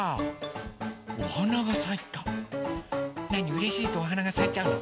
うれしいとおはながさいちゃうの？